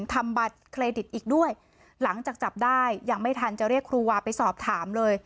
ทำบัตรเครดิตอีกด้วยหลังจากจับได้ยังไม่ทันจะเรียกครูวาไปสอบถามเลย